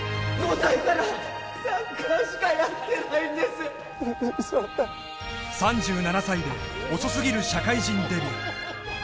ウソだ３７歳で遅すぎる社会人デビュー